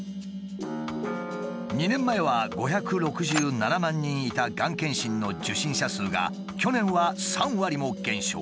２年前は５６７万人いたがん検診の受診者数が去年は３割も減少。